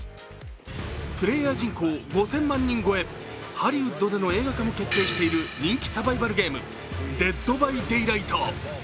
プレーヤー人口５０００万人超えハリウッドでの映画化も決定している人気サバイバルゲーム「ＤｅａｄｂｙＤａｙｌｉｇｈｔ」。